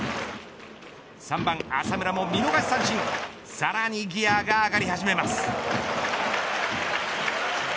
３番浅村も見逃し三振さらにギアが上がり始めます。